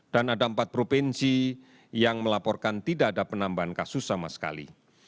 dan ada empat provinsi yang melaporkan tidak ada penambahan kasus sama sekali